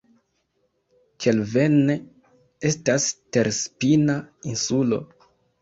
Kelvenne estas terspina insulo.